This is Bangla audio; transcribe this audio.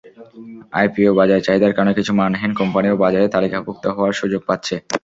আইপিও বাজারের চাহিদার কারণে কিছু মানহীন কোম্পানিও বাজারে তালিকাভুক্ত হওয়ার সুযোগ পাচ্ছে।